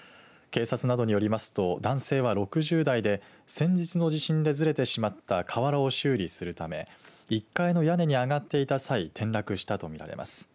警察などによりますと男性は６０代で先日の地震でずれてしまった瓦を修理するため１階の屋根に上がっていた際転落したと見られます。